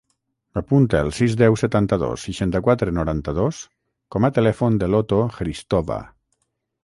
Apunta el sis, deu, setanta-dos, seixanta-quatre, noranta-dos com a telèfon de l'Oto Hristova.